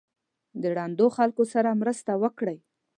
د ړندو خلکو سره مرسته وکړئ.